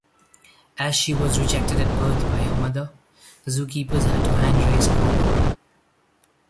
As she was rejected at birth by her mother, zookeepers had to hand-raise Colo.